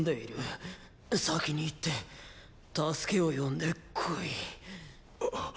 先に行って助けを呼んでこい。！